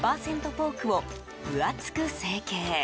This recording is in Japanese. ポークを分厚く成形。